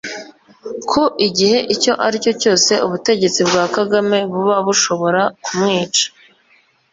ko igihe icyo aricyo cyose ubutegetsi bwa Kagame buba bushobora kumwica